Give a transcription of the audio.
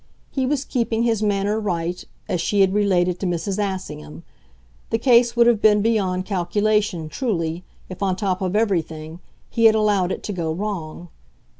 He was keeping his manner right, as she had related to Mrs. Assingham; the case would have been beyond calculation, truly, if, on top of everything, he had allowed it to go wrong.